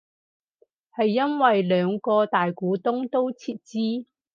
係因為兩個大股東都撤資